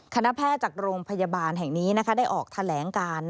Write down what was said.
คณะแพทย์จากโรงพยาบาลแห่งนี้ได้ออกแถลงการ